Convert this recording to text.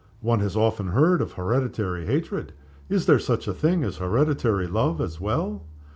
One has often heard of hereditary hatred. Is there such a thing as hereditary love as well?"